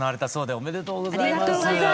ありがとうございます。